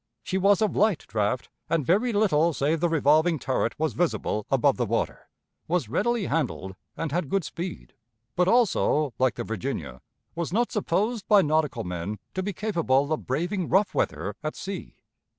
She was of light draught, and very little save the revolving turret was visible above the water, was readily handled, and had good speed; but, also, like the Virginia, was not supposed by nautical men to be capable of braving rough weather at sea.